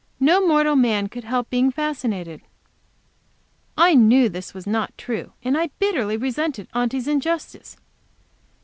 No mortal man could help being fascinated." I knew this was not true, and bitterly resented Aunty's injustice.